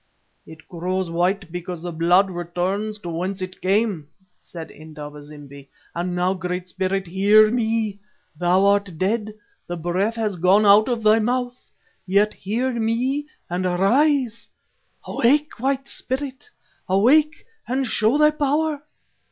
"It grows white because the blood returns to whence it came," said Indaba zimbi. "Now, great Spirit, hear me. Thou art dead, the breath has gone out of thy mouth. Yet hear me and arise. Awake, White Spirit, awake and show thy power.